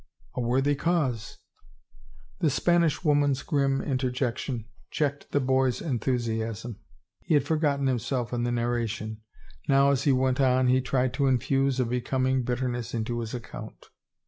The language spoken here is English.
" A worthy cause." The Spanish woman's grim interjection checked the boy's enthusiasm. He had forgotten himself in the narration, now as he went on he tried to infuse a be coming bitterness into his account.